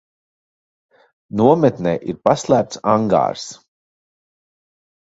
Nometnē ir paslēpts angārs.